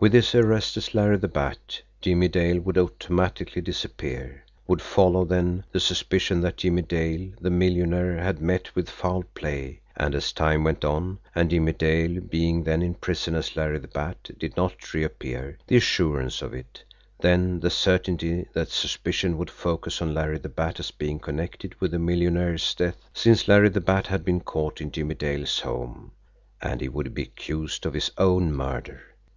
With his arrest as Larry the Bat, Jimmie's Dale would automatically disappear. Would follow then the suspicion that Jimmie Dale, the millionaire, had met with foul play, and as time went on, and Jimmie Dale, being then in prison as Larry the Bat, did not reappear, the assurance of it; then the certainty that suspicion would focus on Larry the Bat as being connected with the millionaire's death, since Larry the Bat had been caught in Jimmie Dale's home and he would be accused of his own murder!